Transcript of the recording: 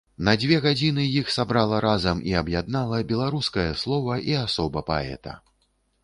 На дзве гадзіны іх сабрала разам і аб'яднала беларускае слова і асоба паэта.